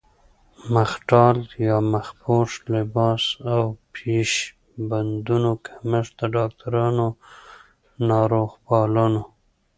مخ ډال يا مخ پوښ، لباس او پيش بندونو کمښت د ډاکټرانو، ناروغپالانو